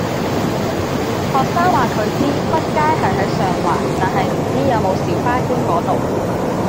學生話佢知畢街係喺上環，但係唔知有冇小巴經嗰度